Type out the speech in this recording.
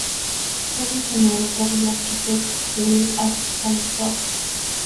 Fue diseñado por el arquitecto Will Alsop.